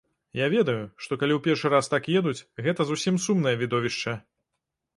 Я ведаю, што калі ў першы раз так едуць, гэта зусім сумнае відовішча.